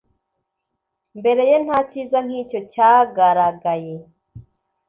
mbere ye, nta cyiza nk'icyo cyagaragaye